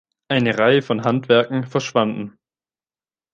Eine Reihe von Handwerken verschwanden.